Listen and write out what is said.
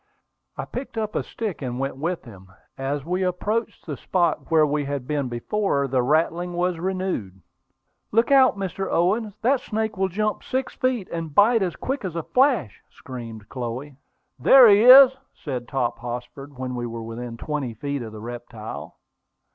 I picked up a stick, and went with him. As we approached the spot where we had been before, the rattling was renewed. "Look out, Mr. Owen! That snake will jump six feet, and bite as quick as a flash," screamed Chloe. "There he is," said Hop Tossford, when we were within twenty feet of the reptile.